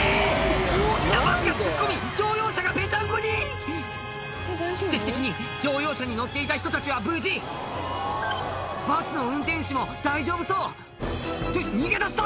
大きなバスが突っ込み乗用車がぺちゃんこに⁉奇跡的に乗用車に乗っていた人たちは無事バスの運転手も大丈夫そうって逃げ出した！